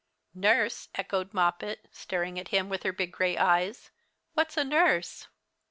"Nurse!" echoed Moppet, staring at him with her big gray eyes. "What's a nurse?"